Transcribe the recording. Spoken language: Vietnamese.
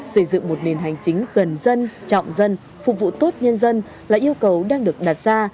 xây dựng một nền hành chính gần dân trọng dân phục vụ tốt nhân dân là yêu cầu đang được đặt ra